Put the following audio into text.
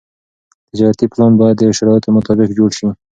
تجارتي پلان باید د شرایطو مطابق جوړ شي.